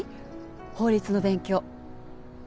法律の勉強。